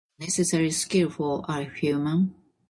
Necessary skill for a human.